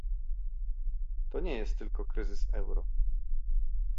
To nie jest tylko kryzys euro